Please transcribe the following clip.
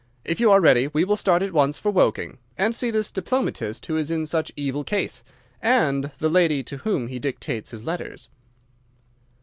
If you are ready we will start at once for Woking, and see this diplomatist who is in such evil case, and the lady to whom he dictates his letters."